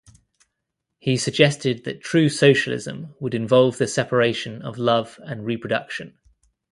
He suggested that true socialism would involve the separation of love and reproduction.